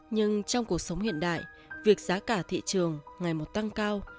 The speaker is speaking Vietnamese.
nhưng trong cuộc sống hiện đại việc giá cả thị trường ngày một tăng cao